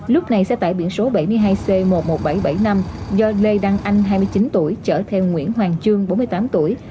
lúc này xe tải biển số bảy mươi hai c một mươi một nghìn bảy trăm bảy mươi năm do lê đăng anh hai mươi chín tuổi chở theo nguyễn hoàng trương bốn mươi tám tuổi